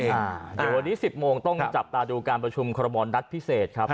เดี๋ยววันนี้๑๐โมงต้องจับตาดูการประชุมคอรมอลนัดพิเศษครับ